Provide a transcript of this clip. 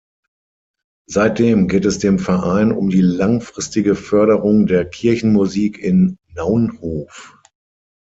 Seitdem geht es dem Verein um die langfristige Förderung der Kirchenmusik in Naunhof.